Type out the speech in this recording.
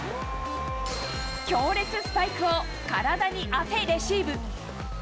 強烈スパイクを体に当てレシーブ。